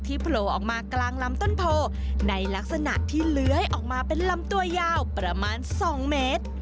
โผล่ออกมากลางลำต้นโพในลักษณะที่เลื้อยออกมาเป็นลำตัวยาวประมาณ๒เมตร